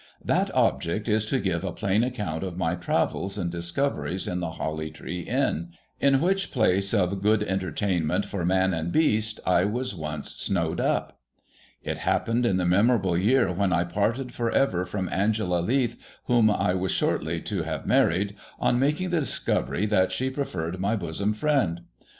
That object is to give a plain account of my travels and dis coveries in the Holly Tree Inn ; in which place of good entertain ment for man and beast I was once snowed up. It happened in the memorable year when I parted for ever from Angela Leath, whom I was shortly to have married, on making the discovery that she preferred my bosom friend.